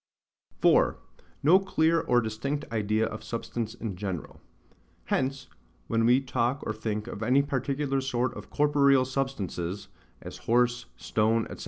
4. No clear or distinct idea of Substance in general. Hence, when we talk or think of any particular sort of corporeal substances, as horse, stone, &c.